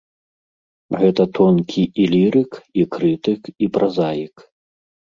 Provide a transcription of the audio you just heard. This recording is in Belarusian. Гэта тонкі і лірык, і крытык, і празаік.